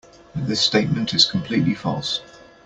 This statement is completely false.